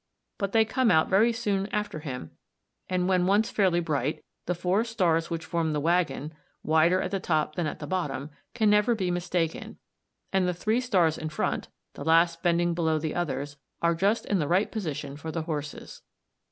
But they come out very soon after him, and when once fairly bright, the four stars which form the waggon, wider at the top than at the bottom, can never be mistaken, and the three stars in front, the last bending below the others, are just in the right position for the horses.